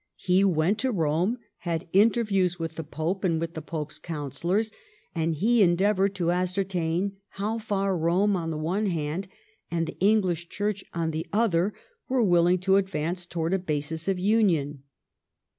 He went to Rome, had interviews with the Pope and with the Pope's councillors, and he endeavored to ascertain how far Rome on the one hand and the English Church on the other were willing to advance toward a basis of union.